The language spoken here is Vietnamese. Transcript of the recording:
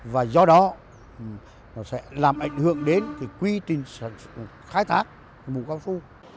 và do đó nó sẽ làm ảnh hưởng đến quy trình sản xuất khai thác mủ cao su